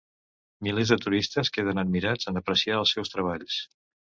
Milers de turistes queden admirats en apreciar els seus treballs.